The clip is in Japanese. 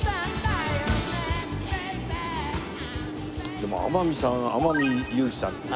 でも天海さん天海祐希さん。